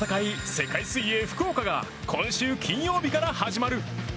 世界水泳福岡が今週金曜日から始まる。